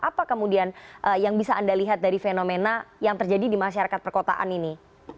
apa kemudian yang bisa anda lihat dari fenomena yang terjadi di masyarakat perkotaan ini